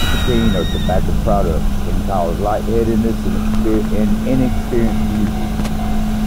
Nicotine or tobacco products can cause lightheadedness for inexperienced users.